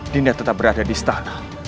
dinda tetap berada di istana